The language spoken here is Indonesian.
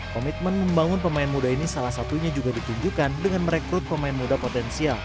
komitmen membangun pemain muda ini salah satunya juga ditunjukkan dengan merekrut pemain muda potensial